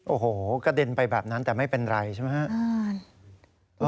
โอ้โหกระเด็นไปแบบนั้นแต่ไม่เป็นไรใช่ไหมครับ